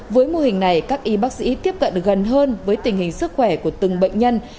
với mô hình này các y bác sĩ tiếp cận gần hơn với tình hình sức khỏe của từng bệnh nhân